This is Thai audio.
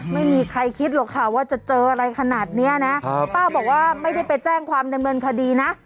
ไม่มีใครคิดหรอกค่ะว่าจะเจออะไรขนาดเนี้ยนะป้าบอกว่าไม่ได้ไปแจ้งความดำเนินคดีนะ